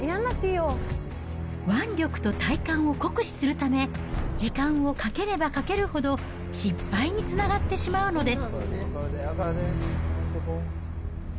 腕力と体幹を酷使するため、時間をかければかけるほど、失敗につながってしまうのです。